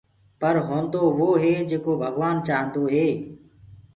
پر هونٚدو وو هي جيڪو ڀگوآن چآهندوئي